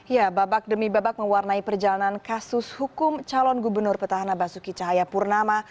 ya babak demi babak mewarnai perjalanan kasus hukum calon gubernur petahana basuki cahayapurnama